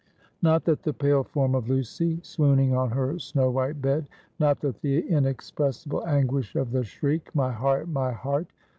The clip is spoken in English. Not that the pale form of Lucy, swooning on her snow white bed; not that the inexpressible anguish of the shriek "My heart! my heart!"